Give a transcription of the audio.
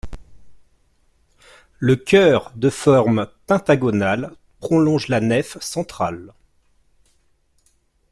Le chœur, de forme pentagonale, prolonge la nef centrale.